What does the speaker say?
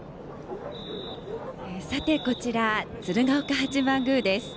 さて、こちら鶴岡八幡宮です。